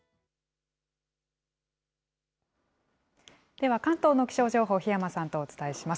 では、関東の気象情報、檜山さんとお伝えします。